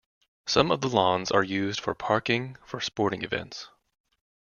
Some of the lawns are used for parking for sporting events.